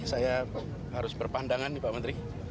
saya harus berpandangan nih pak menteri